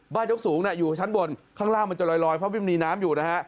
ยกสูงอยู่ชั้นบนข้างล่างมันจะลอยเพราะไม่มีน้ำอยู่นะฮะ